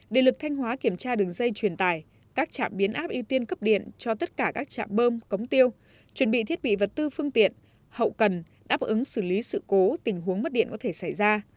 điện lực thanh hóa kiểm tra đường dây truyền tải các trạm biến áp ưu tiên cấp điện cho tất cả các trạm bơm cống tiêu chuẩn bị thiết bị vật tư phương tiện hậu cần đáp ứng xử lý sự cố tình huống mất điện có thể xảy ra